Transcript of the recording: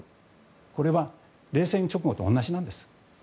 これは冷戦直後と同じなんです。